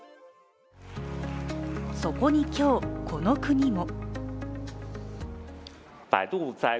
そこに今日、この国も。